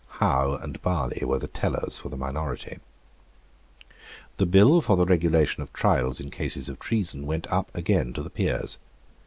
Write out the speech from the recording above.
Howe and Barley were the tellers for the minority. The Bill for the Regulation of Trials in cases of Treason went up again to the Peers.